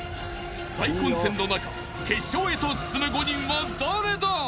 ［大混戦の中決勝へと進む５人は誰だ？］